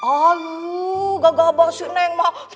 aduh gak gabah sih neng mah